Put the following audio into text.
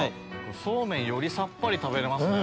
そうめんよりサッパリ食べれますね。